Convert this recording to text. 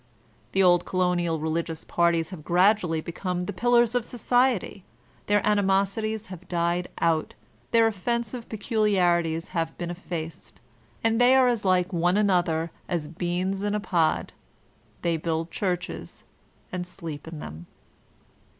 The old colonial religious parties have gradually become the "pillars of society,'' their animosities have died put, their offensive pcculii^ritics bavt beat Anaxchism and American Traditions 133 effaced, they are as like one another as beans in a pod, they build churches and — sleep in them.